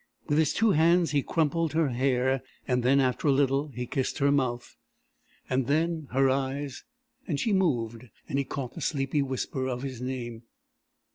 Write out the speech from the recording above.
With his two hands he crumpled her hair; and then, after a little, he kissed her mouth, and then her eyes; and she moved, and he caught the sleepy whisper of his name.